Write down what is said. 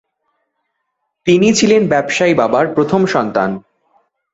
তিনি ছিলেন ব্যবসায়ী বাবার প্রথম সন্তান।